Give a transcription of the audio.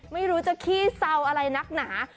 ไม่รู้จะขี้เศร้าอะไรนักหนา